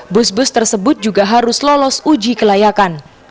bus bus tersebut juga harus lolos uji kelayakan